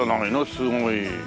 すごい。